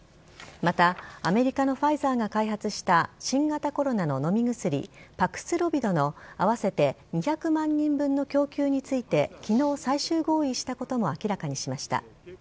また、アメリカのファイザーが開発した新型コロナの飲み薬、パクスロビドの合わせて２００万人分の供給について、きのう最終合意したことも明らかにしました。